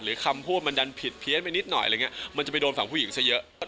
หรือคำพูดมันดันผิดเพียงไปนิดหน่อยมันจะไปโดนฝั่งผู้หญิงซะเยอะ